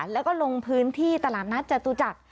แล้วก็ลงพื้นที่ตลาดนัดจตุจักร